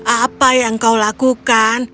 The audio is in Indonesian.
apa yang kau lakukan